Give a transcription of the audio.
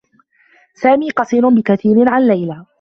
سامي قصير بكثير عن ليلى.